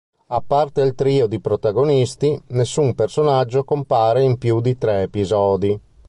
A parte il trio di protagonisti, nessun personaggio compare in più di tre episodi.